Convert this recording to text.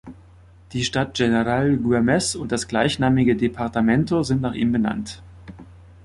Die Stadt General Güemes und das gleichnamige Departamento sind nach ihm benannt.